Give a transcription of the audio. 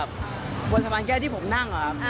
โบสถ์ภาพแกร่ที่ผมนั่ง